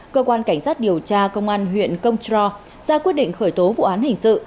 cơ quan cảnh sát điều tra công an huyện công trò ra quyết định khởi tố vụ án hình sự